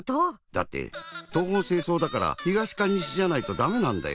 だって東奔西走だから東か西じゃないとだめなんだよ。